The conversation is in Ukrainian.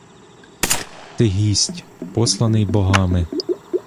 Ти гість, посланий богами.